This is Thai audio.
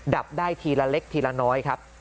ดับได้ทีละเล็กทีละน้อยครับ